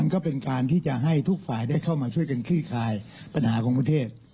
ก็เป็นการที่จะให้ทุกฝ่ายได้เข้ามาช่วยกันคลี่คลายปัญหาของประเทศ